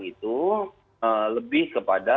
itu lebih kepada